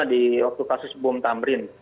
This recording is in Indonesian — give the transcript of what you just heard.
di waktu kasus bom tamrin